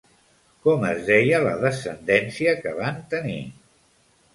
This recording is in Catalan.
Com es deia la descendència que van tenir?